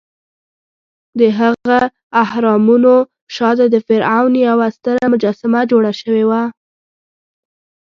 دهغه اهرامونو شاته د فرعون یوه ستره مجسمه جوړه شوې وه.